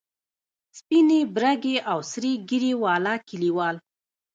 سپینې، برګې او سرې ږیرې والا کلیوال.